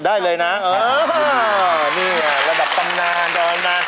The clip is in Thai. ได้เลยนะนี่ระดับตำนาน